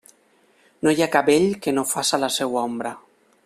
No hi ha cabell que no faça la seua ombra.